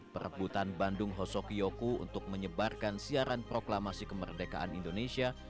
perebutan bandung hosokiyoku untuk menyebarkan siaran proklamasi kemerdekaan indonesia